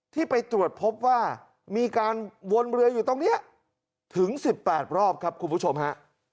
ที่ไปตรวจพบว่ามีการวนเรืออยู่ตรงนี้ถึง๑๘รอบครับคุณผู้ชมฮะ